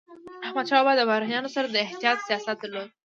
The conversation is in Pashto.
احمدشاه بابا د بهرنيانو سره د احتیاط سیاست درلود.